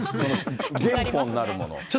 原本なるものを。